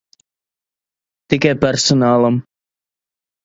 Tikai personālam.